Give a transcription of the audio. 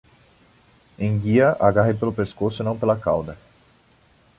Enguia, agarre pelo pescoço e não pela cauda.